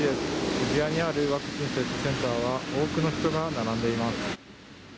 渋谷にあるワクチン接種センターは、多くの人が並んでいます。